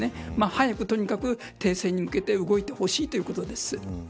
早くとにかく停戦に向けて動いてほしいということです。